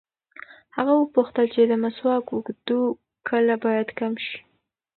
هغه وپوښتل چې د مسواک اوږدو کله باید کم شي.